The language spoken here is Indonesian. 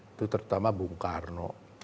itu terutama bung karno